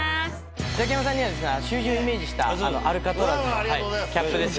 ザキヤマさんには囚人をイメージしたアルカトラズのキャップです。